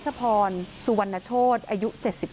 อรัชพรสุวรรณโชษอายุ๗๖